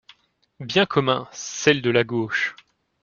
Bien commun, celles de la gauche.